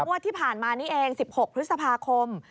งวดที่ผ่านมานี่เอง๑๖พฤษภาคม